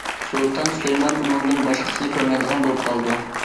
سۇلتان سۇلايمان ئۇنىڭدىن باشقىسىنى كۆرمەيدىغان بولۇپ قالىدۇ.